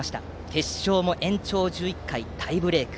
決勝も延長１１回タイブレーク。